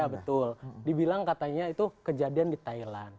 ya betul dibilang katanya itu kejadian di thailand